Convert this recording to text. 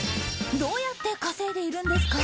どうやって稼いでいるんですか？